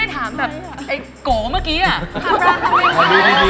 ทำไมไม่ถามแบบไอ้โก๋เมื่อกี้อะ